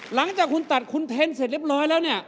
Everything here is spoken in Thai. หลังจากคุณตัดคุณเทนต์เสร็จเรียบร้อยแล้วเนี่ย